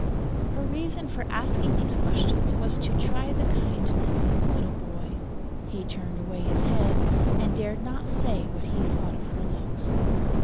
Her reason for asking these questions was to try the kindness of the little boy. He turned away his head and dared not say what he thought of her looks.